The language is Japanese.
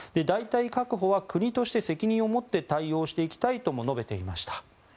代替確保は国として責任をもって対応していきたいとも述べていました。